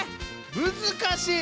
難しい！